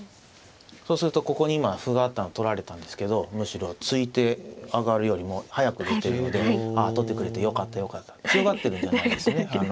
そうするとここに今歩があったの取られたんですけどむしろ突いて上がるよりも早く出ているので取ってくれてよかったよかった強がってるんじゃないですね。